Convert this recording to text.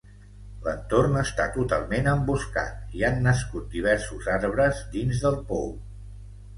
L'entorn està totalment emboscat i han nascut diversos arbres dins del pou.